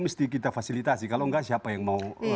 mesti kita fasilitasi kalau enggak siapa yang mau